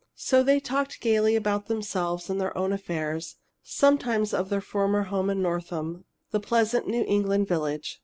So they talked gaily about themselves and their own affairs, sometimes of their former home in Northam, the pleasant New England village.